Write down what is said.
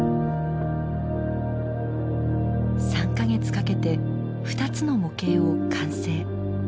３か月かけて２つの模型を完成。